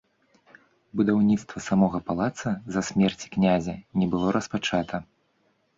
Будаўніцтва самога палаца з-за смерці князя не было распачата.